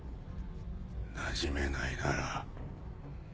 なじめないなら？